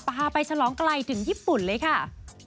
พาไปฉลองไกลถึงญี่ปุ่นเลยค่ะ